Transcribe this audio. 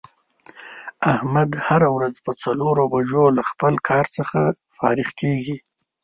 احمد هره روځ په څلور بجو له خپل کار څخه فارغ کېږي.